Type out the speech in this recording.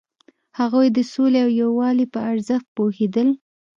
هغوی د سولې او یووالي په ارزښت پوهیدل.